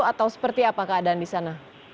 atau seperti apa keadaan di sana